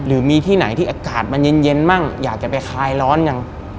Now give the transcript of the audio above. หรือมีที่ไหนที่อากาศมันเย็นมั่งอยากจะไปคลายร้อนยัง